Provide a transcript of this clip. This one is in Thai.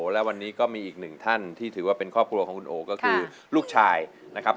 และวันนี้ก็มีอีกหนึ่งท่านที่ถือว่าเป็นครอบครัวของคุณโอก็คือลูกชายนะครับ